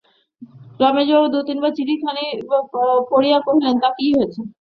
পরেশবাবু দু-তিন বার চিঠিখানা পড়িয়া কহিলেন, তা, কী হয়েছে?